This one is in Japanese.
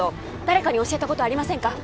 誰かに教えたことありませんか？